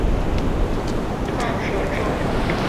铆钉是由裁切并削尖成适当尺寸的固体黄铜棒所做。